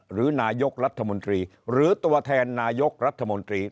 หรือนายกรัฐมนตรีหรือตัวแทนนายกรัฐมนตรี